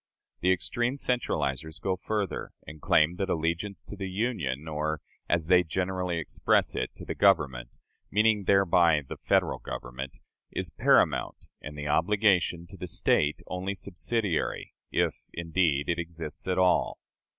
The extreme centralizers go further, and claim that allegiance to the Union, or, as they generally express it, to the Government meaning thereby the Federal Government is paramount, and the obligation to the State only subsidiary if, indeed, it exists at all.